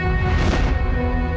supaya dia bisa dioperasi